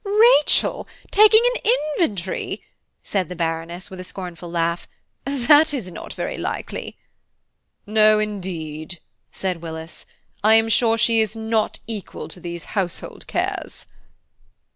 "Rachel taking an inventory!" said the Baroness, with a scornful laugh, "that is not very likely." "No, indeed," said Willis, "I am sure she is not equal to these household cares."